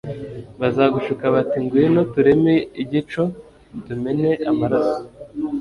bazagushuka bati ngwino tureme igico, tumene amaraso